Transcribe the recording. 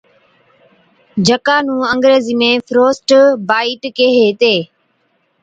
جڪا نُون انگريزِي ۾ فروسٽبائِيٽ (Frostbite) ڪيهي هِتي،